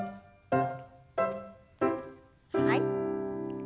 はい。